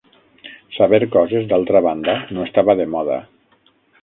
Saber coses, d'altra banda, no estava de moda.